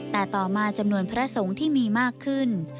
แต่ต่อมาจำนวนพระสงฆ์ที่มีมากขึ้น